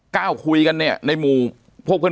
ปากกับภาคภูมิ